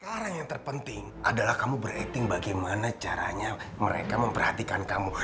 sekarang yang terpenting adalah kamu ber acting bagaimana caranya mereka memperhatikan kamu